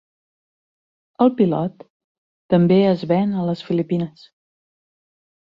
El Pilot també es ven a les Filipines.